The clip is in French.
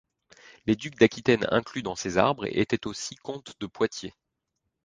Les ducs d'Aquitaine inclus dans ces arbres étaient aussi comtes de Poitiers.